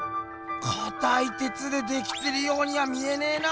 かたい鉄でできてるようには見えねぇな。